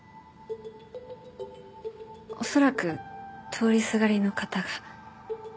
恐らく通りすがりの方が。